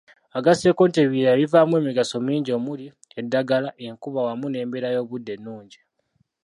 Agasseeko nti ebibira bivaamu emigaso mingi omuli; eddagala, enkuba, wamu n’embeera y’obudde ennungi.